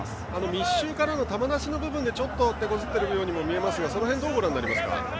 密集からの球出しの部分でちょっとてこずっているようにも見えますがその辺はどうご覧になりますか。